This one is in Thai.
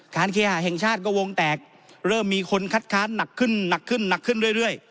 เคหาแห่งชาติก็วงแตกเริ่มมีคนคัดค้านหนักขึ้นหนักขึ้นหนักขึ้นเรื่อย